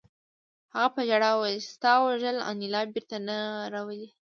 هغه په ژړا وویل چې ستا وژل انیلا بېرته نه راولي